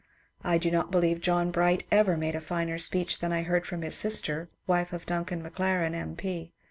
I do not believe that John Bright ever made a finer speech than I heard from his sister, wife of Duncan Maclaren, M. P.